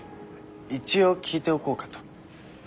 一応聞いておこうかと。